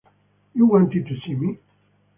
You wanted to see me?